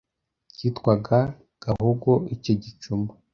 cyitwaga Gahogo icyo gicuma